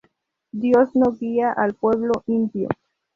Dios no guía al pueblo impío.